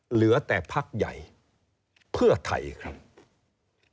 เหลือแต่พักใหญ่เพื่อไทยครับ